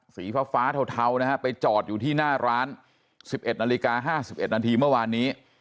สีฟ้าเทานะฮะไปจอดอยู่ที่หน้าร้าน๑๑นาฬิกา๕๑นาทีเมื่อวานนี้